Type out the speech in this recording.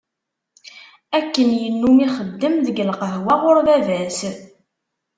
Akken yennum, ixeddem deg lqahwa ɣur baba-s.